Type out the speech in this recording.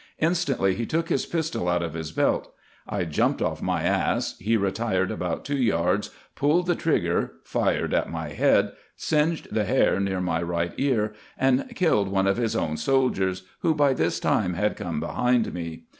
Instantly he took his pistol out of his belt ; I jumped off my ass ; he retired about two yards, pulled the trigger, fired at my head, singed the hair near my right ear, and killed one of his own soldiers, who, by this time, had come behind me.